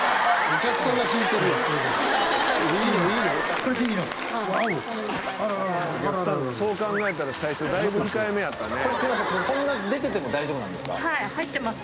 「お客さんそう考えたら最初だいぶ控えめやったね」